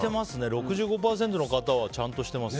６５％の方はちゃんとしています。